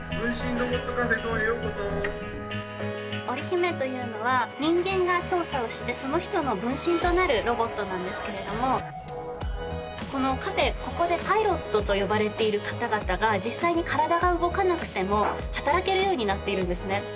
ロボットカフェＤＡＷＮへようこそＯｒｉＨｉｍｅというのは人間が操作をしてその人の分身となるロボットなんですけれどもこのカフェここでパイロットと呼ばれている方々が実際に体が動かなくても働けるようになっているんですね